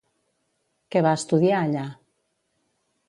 Què va estudiar allà?